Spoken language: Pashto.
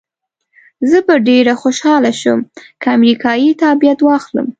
زه به ډېره خوشحاله شم که امریکایي تابعیت واخلم.